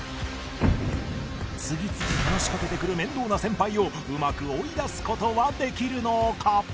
次々話しかけてくる面倒な先輩をうまく追い出す事はできるのか？